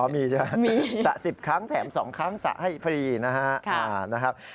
มีใช่ไหมสระ๑๐ครั้งแถม๒ครั้งสระให้ฟรีนะครับ